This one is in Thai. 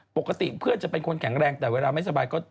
ปกติเพื่อนจะเป็นคนแข็งแรงแต่เวลาไม่สบายก็